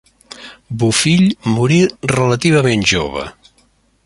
Bofill morí relativament jove.